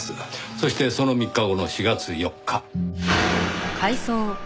そしてその３日後の４月４日。